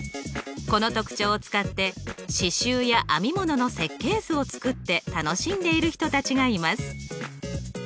この特徴を使って刺しゅうや編み物の設計図を作って楽しんでいる人たちがいます。